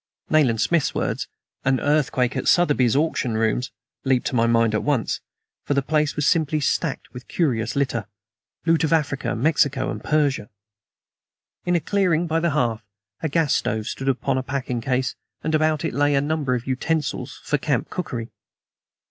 Nayland Smith's words, "an earthquake at Sotheby's auction rooms," leaped to my mind at once; for the place was simply stacked with curious litter loot of Africa, Mexico and Persia. In a clearing by the hearth a gas stove stood upon a packing case, and about it lay a number of utensils for camp cookery.